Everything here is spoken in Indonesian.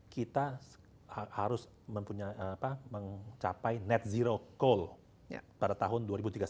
kita harus mencapai net zero coal pada tahun dua ribu tiga puluh satu